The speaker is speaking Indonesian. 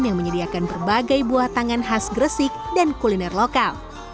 yang menyediakan berbagai buah tangan khas gresik dan kuliner lokal